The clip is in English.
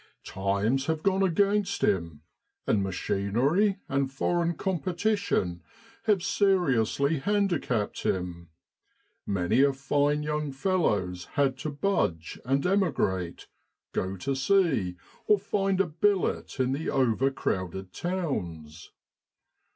Times have gone against him, and ma chinery and foreign competition have seriously handicapped him. Many a fine young fellow's had to budge, and emigrate, go to sea, or find a billet in the over crowded towns.